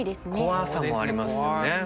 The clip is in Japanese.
怖さもありますよね。